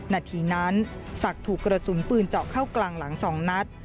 นาทีนั้นศักดิ์ถูกกระสุนปืนเจาะเข้ากลางหลัง๒นัด